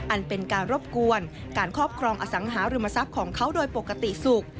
อันเป็นการรบกวนการครอบครองอสังหาริมทรัพย์ของเขาโดยปกติสุข